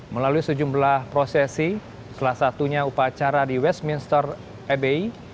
melalui sejumlah prosesi salah satunya upacara di westminster abbey